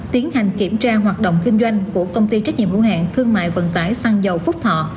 tiến hành kiểm tra hoạt động kinh doanh của công ty trách nhiệm hữu hạng thương mại vận tải sang dầu phúc thọ